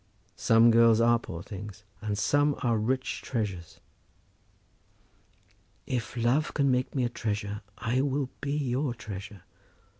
Some girls are poor things, and some are rich treasures." "If love can make me a treasure, I will be your treasure.